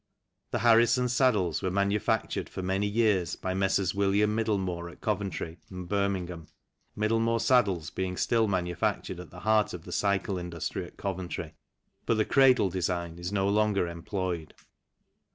The Harrington saddles were manufactured for many years by Messrs. William Middlemore at Coventry and Birmingham, Middlemore saddles being still manu factured in the heart of the cycle industry at Coventry ; but the " cradle " design is no longer employed.